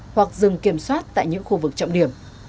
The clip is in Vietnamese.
hoặc dừng kiểm soát tại những khu vực trọng điểm